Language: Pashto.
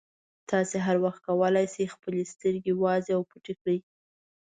تاسې هر وخت کولای شئ خپلې سترګې وازې او پټې کړئ.